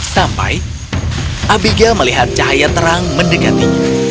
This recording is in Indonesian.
sampai abiga melihat cahaya terang mendekatinya